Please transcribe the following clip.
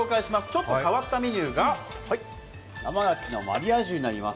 ちょっと変わったメニューが生牡蠣のマリアージュになります。